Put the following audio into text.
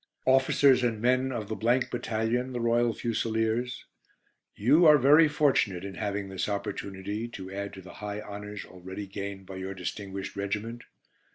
"Officers and men of the Battalion, the Royal Fusiliers: You are very fortunate in having this opportunity to add to the high honours already gained by your distinguished regiment.